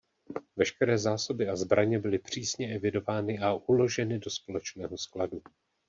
Veškeré zásoby a zbraně byly přísně evidovány a uloženy do společného skladu.